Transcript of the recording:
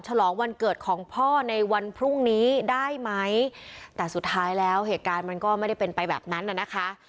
ฉลองวันเกิดของพ่อในวันพรุ่งนี้ได้ไหมแต่สุดท้ายแล้วเหตุการณ์มันก็ไม่ได้เป็นไปแบบนั้นน่ะนะคะ